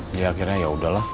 jadi akhirnya yaudahlah